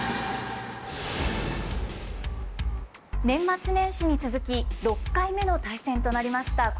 年末年始に続き６回目の対戦となりました